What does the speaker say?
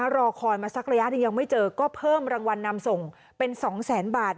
รอคอยมาสักระยะหนึ่งยังไม่เจอก็เพิ่มรางวัลนำส่งเป็น๒แสนบาท